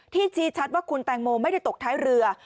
ชี้ชัดว่าคุณแตงโมไม่ได้ตกท้ายเรือ